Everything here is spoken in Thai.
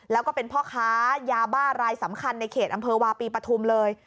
แล้วก็เป็นพ่อค้ายาบ้ารายสำคัญในเขตอำเภอวาปีปฐุมเลย